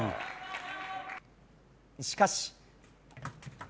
しかし。